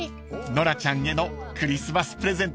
［ノラちゃんへのクリスマスプレゼントですね］